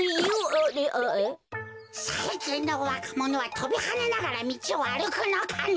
さいきんのわかものはとびはねながらみちをあるくのかね？